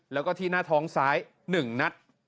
แล้วก็ที่หน้าท้องซ้าย๑นัด